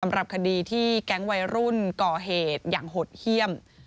สำหรับคดีที่แก๊งวัยรุ่นก่อเหตุอย่างหดเยี่ยม